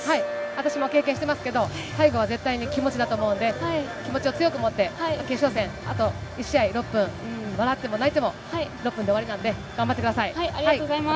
私も経験してますけど、最後は絶対に気持ちだと思うので、気持ちを強く持って、決勝戦、あと１試合、６分、笑っても泣いても６分で終わりなんで、頑張っありがとうございます。